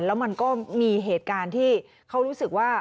แล้วมันก็มีเหตุการณ์ที่เขารู้สึกว่า